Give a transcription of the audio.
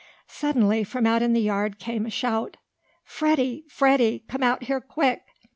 Suddenly, from out in the yard, came a shout. "Freddie! Freddie! Come out here, quick!"